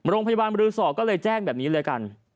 โรงพยาบาลบรือสอก็เลยแจ้งแบบนี้เลยกัน